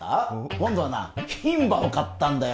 今度はな牝馬を買ったんだよ